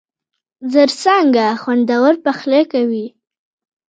زرڅانگه! خوندور پخلی کوي.